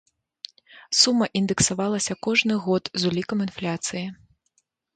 Сума індэксавалася кожны год з улікам інфляцыі.